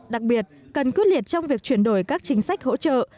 đặc biệt cần quyết liệt trong việc chuyển đổi các chính sách hỗ trợ